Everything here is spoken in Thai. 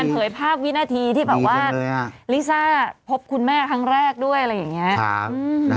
เผยภาพวินาทีที่แบบว่าลิซ่าพบคุณแม่ครั้งแรกด้วยอะไรอย่างนี้